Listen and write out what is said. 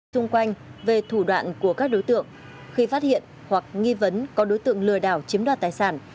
xung quanh về thủ đoạn của các đối tượng khi phát hiện hoặc nghi vấn có đối tượng lừa đảo chiếm đoạt tài sản